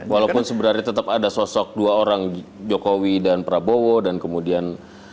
walaupun sebenarnya tetap ada sosok dua orang jokowi dan prabowo dan kemudian